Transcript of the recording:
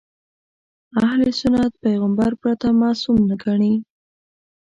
اهل سنت پیغمبر پرته معصوم نه ګڼي.